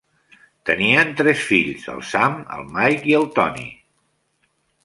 Tenien tres fills, el Sam, el Mike i el Tony.